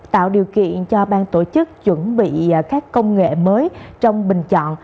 tạo điều kiện cho bang tổ chức chuẩn bị các công nghệ mới trong bình chọn